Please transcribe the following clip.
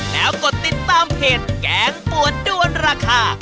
แล้วกดติดตามเพจแกงปวดด้วนราคา